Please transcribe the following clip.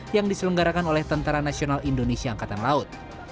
yang diselenggarakan oleh tentara nasional indonesia angkatan laut